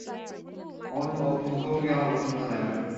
অমন মুখভঙ্গি আমার পছন্দ নয়, ম্যাভ।